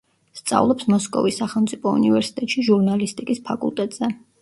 სწავლობს მოსკოვის სახელმწიფო უნივერსიტეტში ჟურნალისტიკის ფაკულტეტზე.